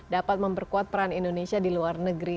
dapat memperkuat peran indonesia di luar negeri